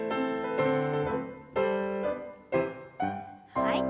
はい。